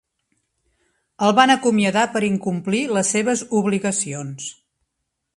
El van acomiadar per incomplir les seves obligacions.